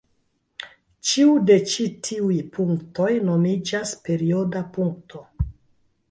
Ĉiu de ĉi tiuj punktoj nomiĝas perioda punkto.